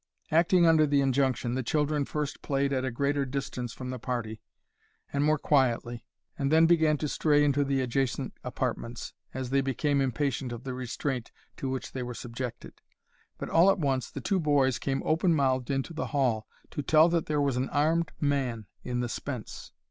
Acting under the injunction, the children first played at a greater distance from the party, and more quietly, and then began to stray into the adjacent apartments, as they became impatient of the restraint to which they were subjected. But, all at once, the two boys came open mouthed into the hall, to tell that there was an armed man in the spence.